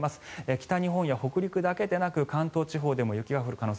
北日本や北陸だけでなく関東地方でも雪が降る可能性